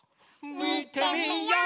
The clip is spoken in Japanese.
みてみよう！